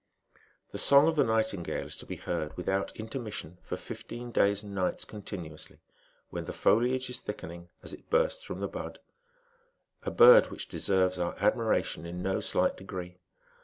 The song of the nightingale is to be heard, without inter oission, for fifteen days and nights, continuously,'^ when the oliage is thickening, as it bursts from the bud ; a bird which leserves our admiration in no slight degree.